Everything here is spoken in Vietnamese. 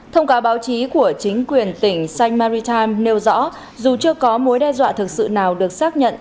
thông cáo báo chí của chính quyền tỉnh saint marie tham nêu rõ dù chưa có mối đe dọa thực sự nào được xác nhận